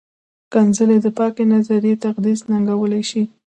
ښکنځلې د پاکې نظریې تقدس ننګولی شي.